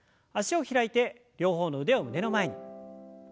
脚を開いて両方の腕を胸の前に。